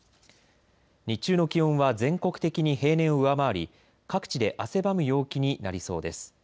日中の気温は全国的に平年を上回り各地で汗ばむ陽気になりそうです。